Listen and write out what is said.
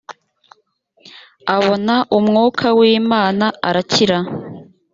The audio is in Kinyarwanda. abona umwuka w ‘imana arakira.